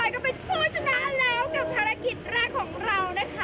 กับภารกิจแรกของเรานะคะ